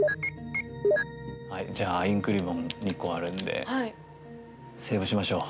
はいじゃあインクリボン２個あるんでセーブしましょう。